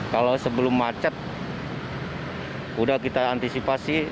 kalau sebelum macet sudah kita antisipasi